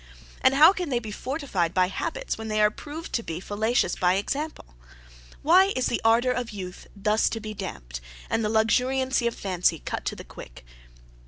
And how can they be fortified by habits when they are proved to be fallacious by example? Why is the ardour of youth thus to be damped, and the luxuriancy of fancy cut to the quick?